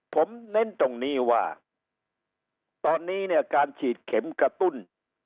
ผมเน้นตรงนี้ว่าตอนนี้เนี่ยการฉีดเข็มกระตุ้น